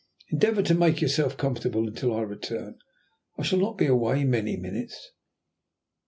Endeavour to make yourself comfortable until I return. I shall not be away many minutes."